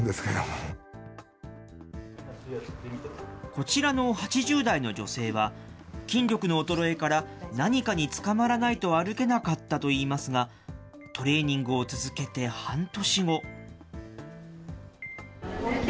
こちらの８０代の女性は、筋力の衰えから何かにつかまらないと歩けなかったといいますが、トレーニングを続けて半年後。